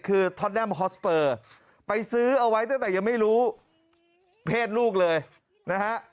คือท็อตแดมฮอสเปอร์ไปซื้อเอาไว้ตั้งแต่ยังไม่รู้เพศลูกเลยนะฮะ